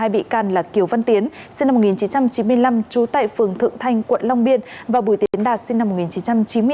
hai bị can là kiều văn tiến sinh năm một nghìn chín trăm chín mươi năm trú tại phường thượng thanh quận long biên và bùi tiến đạt sinh năm một nghìn chín trăm chín mươi hai